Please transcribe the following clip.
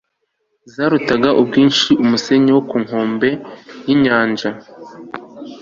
zarutaga ubwinshi umusenyi wo ku nkombe y'inyanja